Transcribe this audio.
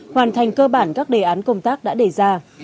hoàn thành cơ bản các đề án công tác đã đề ra